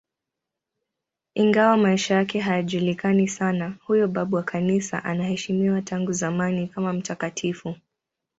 Ingawa maisha yake hayajulikani sana, huyo babu wa Kanisa anaheshimiwa tangu zamani kama mtakatifu.